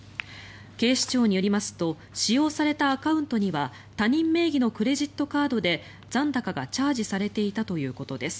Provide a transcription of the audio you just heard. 警視庁によりますと使用されたアカウントには他人名義のクレジットカードで残高がチャージされていたということです。